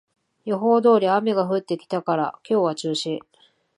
予報通り雨が降ってきたから今日は中止